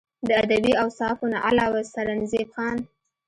د ادبي اوصافو نه علاوه سرنزېب خان